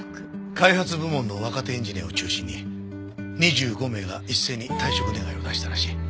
開発部門の若手エンジニアを中心に２５名が一斉に退職願を出したらしい。